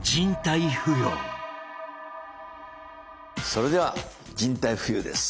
それでは人体浮遊です。